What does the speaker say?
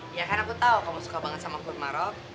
iya kan aku tau kamu suka banget sama kurma rob